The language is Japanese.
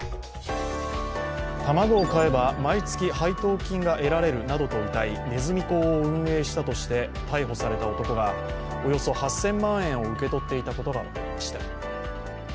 卵を買えば毎月配当金が得られるなどとうたいねずみ講を運営したとして逮捕された男がおよそ８０００万円を受け取っていたことが分かりました。